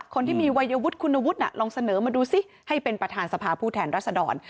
คนที่มีวัยวุฒิคุณวุฒิน่ะลองเสนอมาดูซิให้เป็นประธานสภาผู้แทนรัศดร